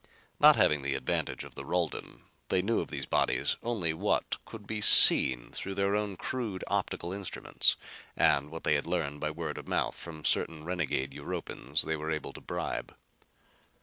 Not having the advantage of the Rulden, they knew of these bodies only what could be seen through their own crude optical instruments and what they had learned by word of mouth from certain renegade Europans they were able to bribe.